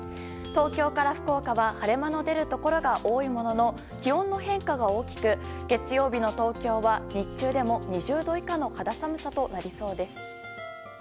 東京から福岡は晴れ間の出るところが多いものの気温の変化が大きく月曜日の東京は日中でも２０度以下の肌寒さとなりそうです。